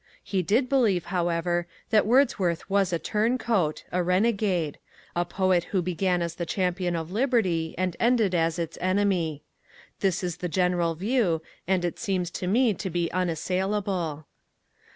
He did believe, however, that Wordsworth was a turncoat, a renegade a poet who began as the champion of liberty and ended as its enemy. This is the general view, and it seems to me to be unassailable.